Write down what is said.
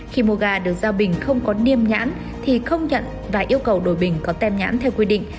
khi mua gà được gia bình không có niêm nhãn thì không nhận và yêu cầu đổi bình có tem nhãn theo quy định